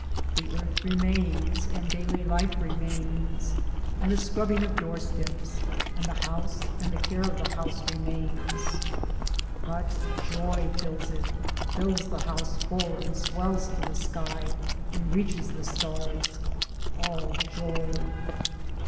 The earth remains and daily life remains, and the scrubbing of doorsteps, and the house and the care of the house remains ; but Joy fills it, fills the house full and swells to the sky and reaches the stars : all Joy